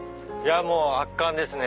もう圧巻ですね！